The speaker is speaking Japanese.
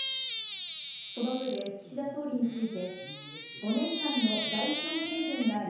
その上で岸田総理について、５年間の外相経験があり、